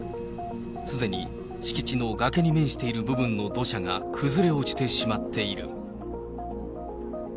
すでに敷地の崖に面している部分の土砂が崩れ落ちてしまっている。